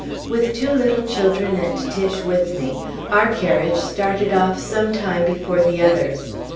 With two little children and Tiche with me, our carriage started off some time before the others.